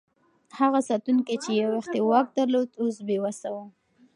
هغه ساتونکی چې یو وخت یې واک درلود، اوس بې وسه و.